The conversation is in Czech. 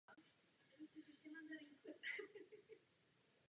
Během druhé světové války se věnoval pedagogické činnosti na Cardiff School of Art.